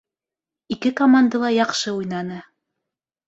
Ике команда ла яҡшы уйнаны.